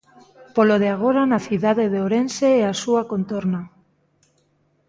Polo de agora na cidade de Ourense e a súa contorna.